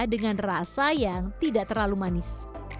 dengan rasa yang tidak terlalu manis